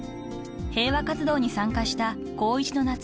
［平和活動に参加した高１の夏］